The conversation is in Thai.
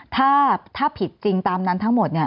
ถ้าผิดจริงตามนั้นทั้งหมด